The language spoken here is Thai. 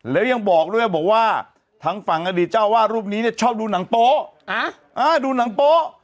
แล้วยังบอกด้วยบอกว่าทางฝั่งอดีตเจ้าวาดรูปนี้เนี่ยชอบดูหนังโป๊ะดูหนังโป๊ะ